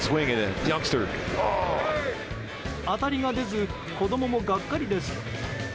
当たりが出ず子供もがっかりです。